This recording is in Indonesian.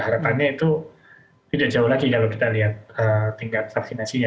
harapannya itu tidak jauh lagi kalau kita lihat tingkat vaksinasinya